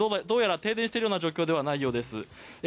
どうやら停電している状況ではないようです。